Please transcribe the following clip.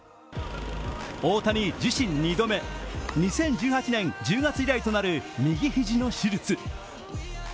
大谷、自身２度目、２０１８年１０月以来となる右肘の手術。